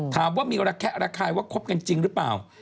ถามว่ามีระแคะระคายว่าคบกันจริงหรือเปล่า